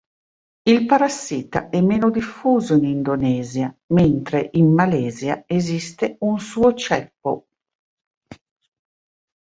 Il parassita è meno diffuso in Indonesia, mentre in Malaysia esiste un suo ceppo.